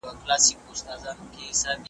د اکبر په ميخانوکي .